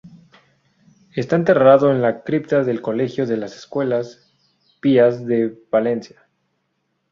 Está enterrado en la cripta del Colegio de las Escuelas Pías de Valencia.